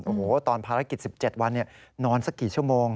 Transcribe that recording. โอ้โหตอนภารกิจ๑๗วันนอนสักกี่ชั่วโมง